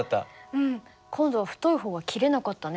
うん今度は太い方は切れなかったね。